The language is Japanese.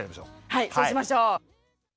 はいそうしましょう。